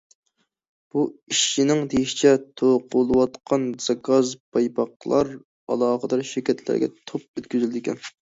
بۇ ئىشچىنىڭ دېيىشىچە، توقۇلۇۋاتقان زاكاز پايپاقلار ئالاقىدار شىركەتلەرگە توپ ئۆتكۈزۈلىدىكەن.